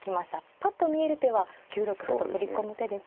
ぱっと見える手は９六歩と取り込む手ですが。